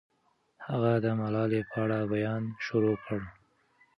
هغه د ملالۍ په اړه بیان شروع کړ.